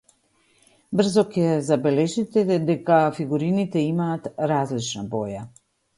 Брзо ќе забележите дека фигурините имаат различна боја.